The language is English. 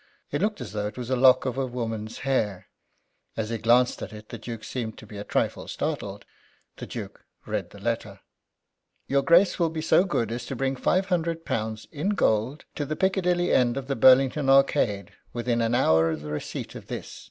It looked as though it was a lock of a woman's hair. As he glanced at it the Duke seemed to be a trifle startled. The Duke read the letter: "Your Grace will be so good as to bring five hundred pounds (£500) in gold to the Piccadilly end of the Burlington Arcade within an hour of the receipt of this.